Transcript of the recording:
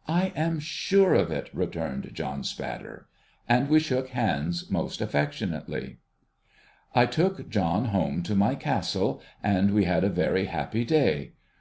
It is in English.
' I am sure of it !' returned John Sjiattcr. And we sliook hands most affectionately. 1 took John home to my Castle, and we had a very happy day.